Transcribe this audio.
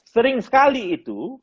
sering sekali itu